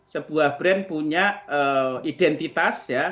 sebuah brand punya identitas